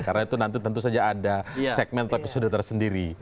karena itu nanti tentu saja ada segmen episode tersendiri